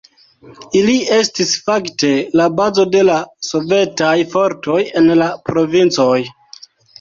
Ili estis fakte la bazo de la sovetaj fortoj en la provincoj.